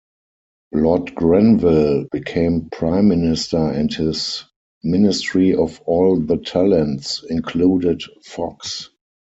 Lord Grenville became Prime Minister, and his "Ministry of All the Talents" included Fox.